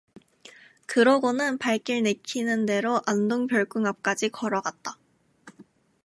그러고는 발길 내키는 데로 안동 별궁 앞까지 걸어갔다.